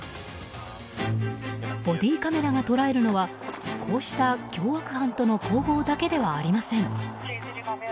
ボディーカメラが捉えるのはこうした凶悪犯との攻防だけではありません。